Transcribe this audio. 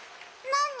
なに？